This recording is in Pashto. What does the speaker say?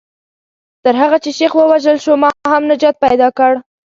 تر هغه چې شیخ ووژل شو ما هم نجات پیدا کړ.